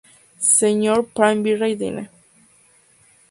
Sr. Primer Virrey dn.